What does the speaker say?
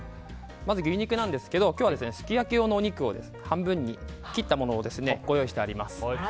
まず牛肉ですが今日はすき焼き用のお肉を半分に切ったものをご用意してあります。